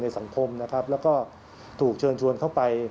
ในสังคมและก็ถูกเชิญชวนเข้าไป